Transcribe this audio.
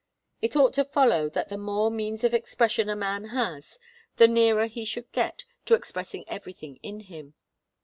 It ought to follow that the more means of expression a man has, the nearer he should get to expressing everything in him.